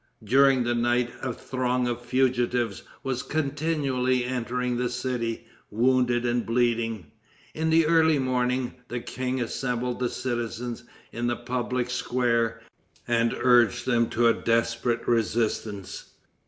During the night a throng of fugitives was continually entering the city, wounded and bleeding. In the early morning, the king assembled the citizens in the public square, and urged them to a desperate resistance.